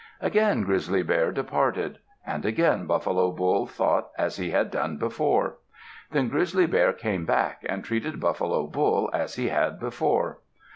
Again Grizzly Bear departed. And again Buffalo Bull thought as he had done before. Then Grizzly Bear came back and treated Buffalo Bull as he had before.